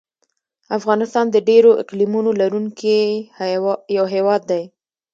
افغانستان د ډېرو اقلیمونو لرونکی یو هېواد دی.